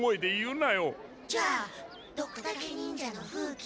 じゃあドクタケ忍者の風鬼。